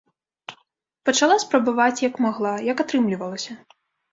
Пачала спрабаваць, як магла, як атрымлівалася.